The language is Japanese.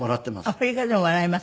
アフリカでも笑います？